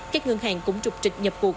các ngân hàng cũng trục trịch nhập cuộc